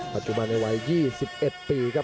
ปัจจุบันในวัย๒๑ปีครับ